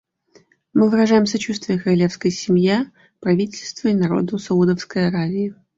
Мы выражаем сочувствие королевской семье, правительству и народу Саудовской Аравии.